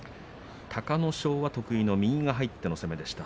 隆の勝は得意の右が入っての攻めでした。